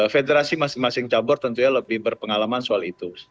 federasi masing masing cabur tentunya lebih berpengalaman soal itu